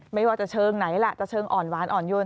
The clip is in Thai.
ไม่ว่าจะเชิงไหนล่ะจะเชิงอ่อนหวานอ่อนโยน